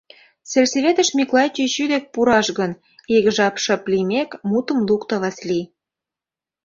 — Сельсоветыш Миклай чӱчӱ дек пураш гын? — ик жап шып лиймек, мутым лукто Васлий.